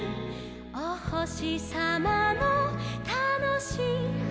「おほしさまのたのしいはなし」